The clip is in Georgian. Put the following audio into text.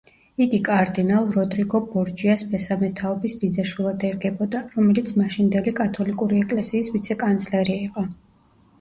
იგი კარდინალ როდრიგო ბორჯიას მესამე თაობის ბიძაშვილად ერგებოდა, რომელიც მაშინდელი კათოლიკური ეკლესიის ვიცე-კანცლერი იყო.